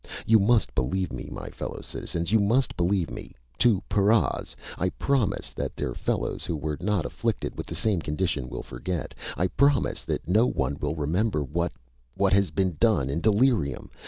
You must believe me, my fellow citizens. You must believe me! To paras, I promise that their fellows who were not afflicted with the same condition will forget! I promise that no one will remember what... what has been done in delirium!